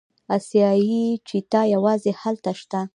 اسیایي چیتا یوازې هلته شته.